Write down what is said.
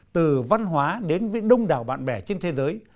từ văn hóa đến với đông đảo bạn bè trên thế giới